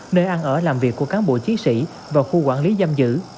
nơi ăn ở làm việc của cán bộ chiến sĩ và khu quản lý giam giữ